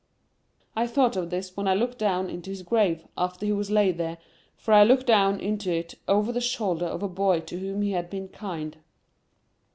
I thought of this when I looked down into his grave, after he was laid there, for I looked down into it over the shoulder of a boy to whom he had been kind.